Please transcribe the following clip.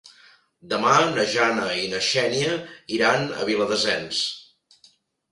Demà na Jana i na Xènia iran a Viladasens.